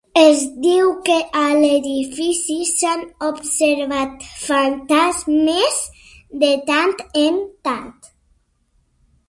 Es diu que a l'edifici s'han observat fantasmes de tant en tant.